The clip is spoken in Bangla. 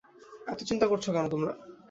এত চিন্তা করছ কেন তোমরা?